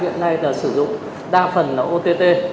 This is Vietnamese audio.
hiện nay sử dụng đa phần ở ott